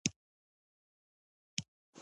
په دې فیلم کې په رول کې دی.